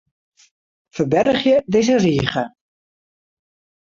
Ferbergje dizze rige.